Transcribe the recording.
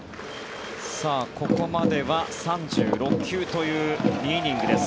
ここまでは３６球という２イニングです。